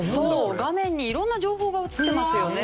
画面に色んな情報が映ってますよね。